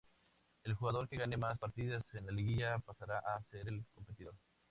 El jugador que gane más partidas en la liguilla pasará a ser el competidor.